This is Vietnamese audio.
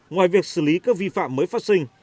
ngoài việc xử lý các vi phạm mới phát sinh